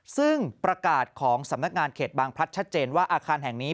ซึ่งประกาศของสำนักงานเขตบางพลัดชัดเจนว่าอาคารแห่งนี้